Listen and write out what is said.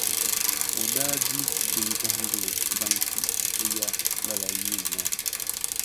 O daa di pin gahindili zaŋ ti o ya lala yuuni maa.